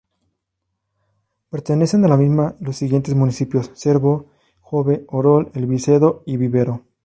Pertenecen a la misma los siguientes municipios: Cervo, Jove, Orol, El Vicedo y Vivero.